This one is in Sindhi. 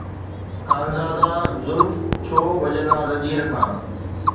خانزادا زلف، ڇو ڀڄندا زنجير کان؟